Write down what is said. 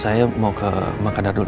saya mau ke makadar dulu